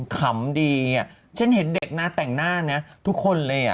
ขาดเรื่องดีฉันเห็นเด็กน้าแต่งหน้าเนี่ยทุกคนเลยอะ